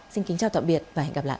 xin kính chào tạm biệt và hẹn gặp lại